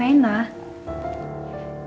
masalahnya aku gak tahu kalau